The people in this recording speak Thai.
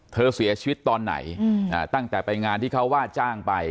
เสียชีวิตตอนไหนตั้งแต่ไปงานที่เขาว่าจ้างไป